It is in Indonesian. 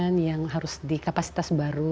apa yang harus dikapasitas baru